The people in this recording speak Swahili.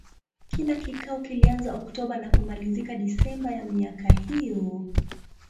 Kila kikao kilianza Oktoba na kumalizika Desemba ya miaka hiyo.